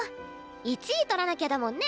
１位取らなきゃだもんね。